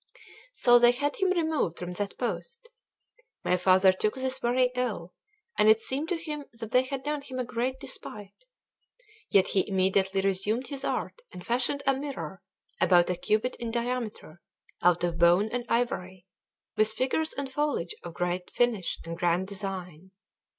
So they had him removed from that post. My father took this very ill, and it seemed to him that they had done him a great despite. Yet he immediately resumed his art, and fashioned a mirror, about a cubit in diameter, out of bone and ivory, with figures and foliage of great finish and grand design.